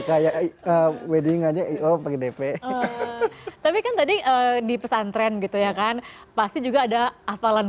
kayak wedding aja oh pakai dp tapi kan tadi di pesantren gitu ya kan pasti juga ada hafalan